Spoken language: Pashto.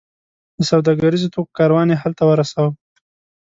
د سوداګریزو توکو کاروان یې هلته ورساوو.